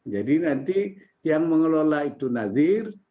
jadi nanti yang mengelola itu nazir